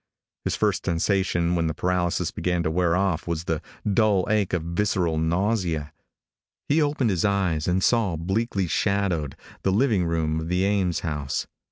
His first sensation when the paralysis began to wear off was the dull ache of visceral nausea. He opened his eyes, and saw, bleakly shadowed, the living room of the Ames house.